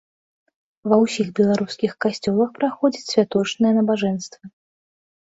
Ва ўсіх беларускіх касцёлах праходзяць святочныя набажэнствы.